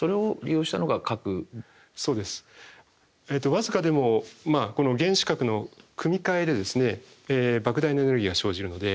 僅かでもこの原子核の組み替えでばく大なエネルギーが生じるので。